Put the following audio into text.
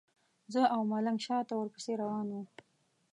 زه او ملنګ شاته ورپسې روان وو.